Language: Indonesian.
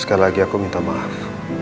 sekali lagi aku minta maaf